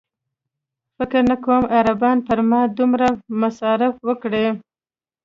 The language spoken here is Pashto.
فکر نه کوم عربان پر ما دومره مصارف وکړي.